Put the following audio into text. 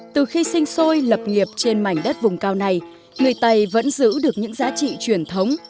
từ khi sinh sôi lập nghiệp trên mảnh đất vùng cao này người tây vẫn giữ được những giá trị truyền thống